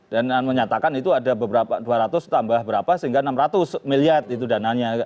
dan menyatakan itu ada dua ratus tambah berapa sehingga enam ratus miliar itu dananya